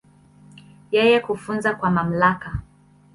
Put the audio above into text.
Yeye kufuzu kwa mamlaka.